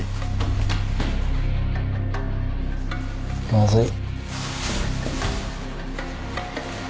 まずい。